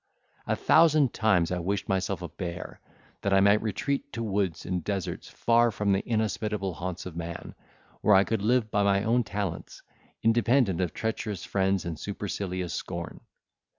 A thousand times I wished myself a bear, that I might retreat to woods and deserts, far from the inhospitable haunts of man, where I could live by my own talents, independent of treacherous friends and supercilious scorn.